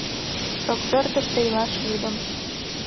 Рокпӧртыштӧ илаш лӱдым.